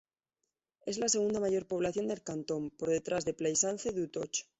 Es la segunda mayor población del cantón, por detrás de Plaisance-du-Touch.